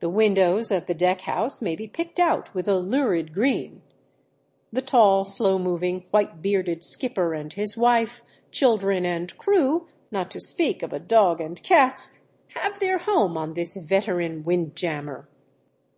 The windows of the deck house may be picked out with a lurid green. The tall, slowmoving, white bearded skipper and his wife, children, and crew, not to speak of a dog and cats, have their home on this veteran "windjammer."